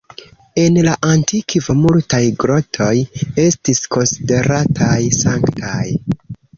En la antikvo multaj grotoj estis konsiderataj sanktaj.